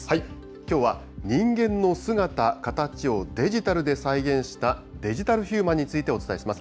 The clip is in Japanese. きょうは人間の姿、形をデジタルで再現したデジタルヒューマンについてお伝えします。